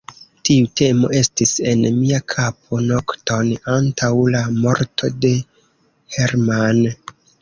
Tiu temo estis en mia kapo nokton antaŭ la morto de Hermann.